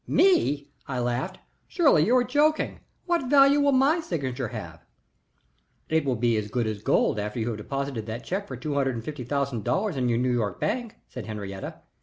"Me?" I laughed. "Surely you are joking. What value will my signature have?" "It will be good as gold after you have deposited that check for two hundred and fifty thousand dollars in your New York bank," said Henriette.